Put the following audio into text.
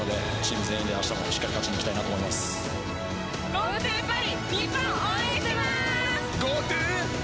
ＧｏＴｏパリ日本、応援してます。